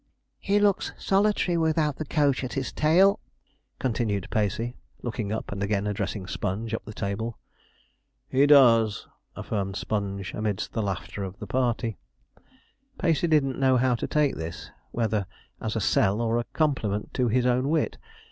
'He looks solitary without the coach at his tail,' continued Pacey, looking up, and again addressing Sponge up the table. 'He does,' affirmed Sponge, amidst the laughter of the party. Pacey didn't know how to take this; whether as a 'sell' or a compliment to his own wit.